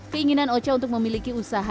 keinginan ocha untuk memiliki usaha